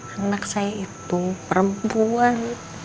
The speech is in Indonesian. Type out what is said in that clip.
anak saya itu perempuan